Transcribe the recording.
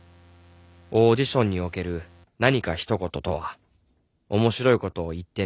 オーディションにおける「何かひと言」とは面白いことを言ってねという暗黙のルールだ